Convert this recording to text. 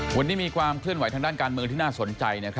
วันนี้มีความเคลื่อนไหวทางด้านการเมืองที่น่าสนใจ